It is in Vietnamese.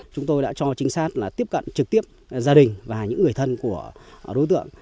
chúng tôi đã cho trinh sát là tiếp cận trực tiếp gia đình và những người thân của đối tượng